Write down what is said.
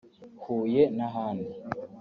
Huye n’ahandi